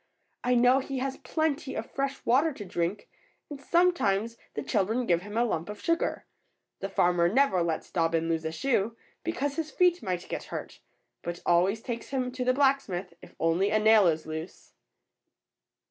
I know he has plenty of fresh water to drink, and sometimes the children give him a lump of sugar. The farmer never lets Dobbin lose a shoe, because his feet might get hurt, but always takes him to the blacksmith if only a nail is loose."